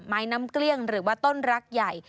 น้ำเกลี้ยงหรือว่าต้นรักใหญ่